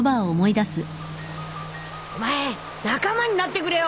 お前仲間になってくれよ！